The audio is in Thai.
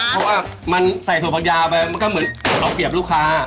เพราะว่ามันใส่ถั่วผักยาวไปมันก็เหมือนเราเปรียบลูกค้า